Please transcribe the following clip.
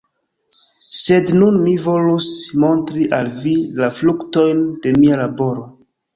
Sed nun mi volus montri al vi la fruktojn de mia laboro.